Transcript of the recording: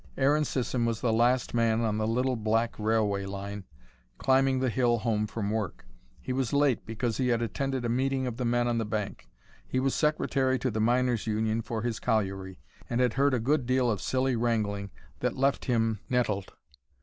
Aaron Sisson was the last man on the little black railway line climbing the hill home from work. He was late because he had attended a meeting of the men on the bank. He was secretary to the Miners Union for his colliery, and had heard a good deal of silly wrangling that left him nettled.